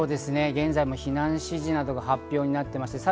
現在も避難指示などが発表になっています。